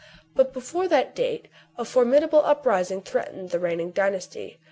21 But before that date a formidable uprising threatened the reigning dynasty.